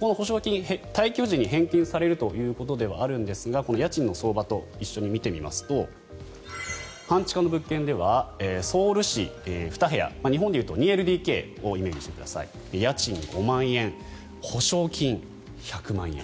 この保証金、退去時に返金されるということではあるんですが家賃の相場と一緒に見てみますと半地下の物件ではソウル市、２部屋日本でいうと２ＬＤＫをイメージしてください家賃５万円保証金１００万円。